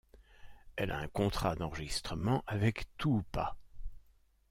Elle a un contrat d'enregistrement avec Tuupa.